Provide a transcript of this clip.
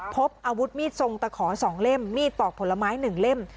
พบอาวุธมีดทรงตะขอ๒เล่มมีดปอกผลไม้๑เล่ม